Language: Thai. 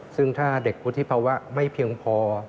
ซึ่งถ้าเด็กวุฒิภาวะไม่เพียงพอ